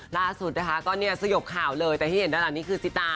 ล่าสุดนะคะก็เนี่ยสยบข่าวเลยแต่ที่เห็นด้านหลังนี้คือซิตา